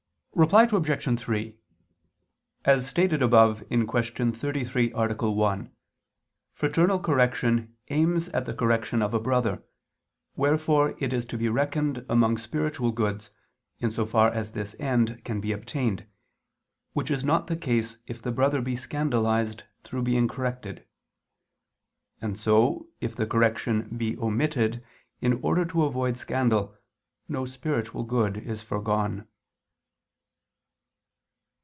Reply Obj. 3: As stated above (Q. 33, A. 1), fraternal correction aims at the correction of a brother, wherefore it is to be reckoned among spiritual goods in so far as this end can be obtained, which is not the case if the brother be scandalized through being corrected. And so, if the correction be omitted in order to avoid scandal, no spiritual good is foregone.